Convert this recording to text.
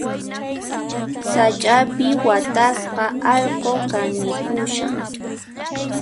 Sach'api watasqa allqu kanikushan.